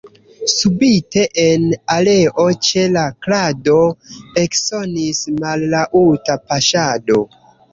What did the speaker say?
Subite en aleo ĉe la krado eksonis mallaŭta paŝado.